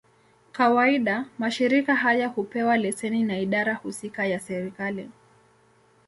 Kawaida, mashirika haya hupewa leseni na idara husika ya serikali.